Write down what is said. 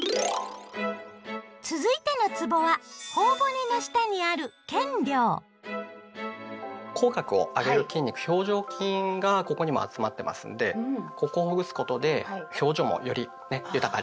続いてのつぼはほお骨の下にある口角を上げる筋肉表情筋がここにも集まってますんでここをほぐすことで表情もよりね豊かに。